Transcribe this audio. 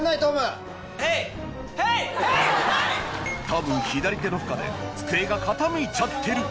多分左手の負荷で机が傾いちゃってるＯＫＯＫ